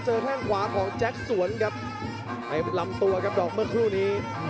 เพื่อเจอแท่งขวาของแจ๊คสวนครับกับรำตัวครับดอกเมื่อกลุ่นนี้